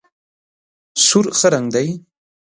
سور ښه رنګ دی.